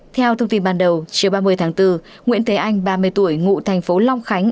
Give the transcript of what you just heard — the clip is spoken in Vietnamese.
theo thông tin ban đầu chiều ba mươi tháng bốn nguyễn thế anh ba mươi tuổi ngụ thành phố long khánh